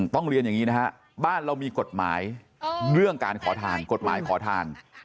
ต้องเรียนอย่างนี้นะฮะบ้านเรามีกฎหมายเรื่องการขอทาน